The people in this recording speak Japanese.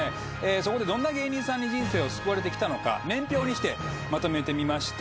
そこでどんな芸人さんに人生を救われて来たのか年表にしてまとめてみました。